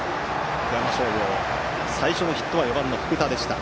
富山商業、最初のヒットは４番の福田でした。